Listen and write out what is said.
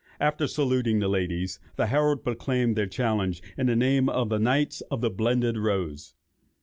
After saluting the ladies, the herald proclaimed their challenge in the name of the "Knights of the blended Rose."